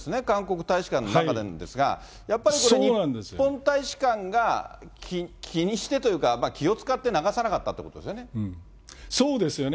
韓国大使館の中でですが、やはり日本大使館が気にしてというか、気を遣って、流さなかったそうですよね。